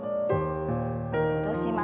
戻します。